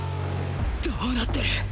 どうなってる！？